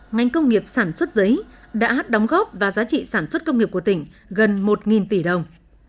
ngành công nghiệp sản xuất giấy đã đóng góp và giá trị sản xuất công nghiệp của tỉnh gần một tỷ đồng